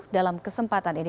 dalam kesempatan ini